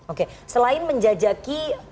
oke selain menjajaki